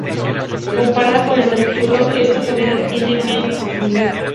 Comparada con el acetábulo esta cavidad tiene menor profundidad.